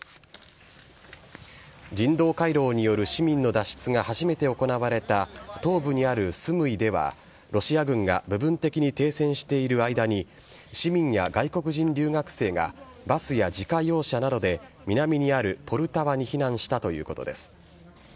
人道回廊による市民の脱出が初めて行われた東部にあるスムイではロシア軍が部分的に停戦している間に、市民や外国人留学生がバスや自家用車などで南にあるポルタワに避難したということです。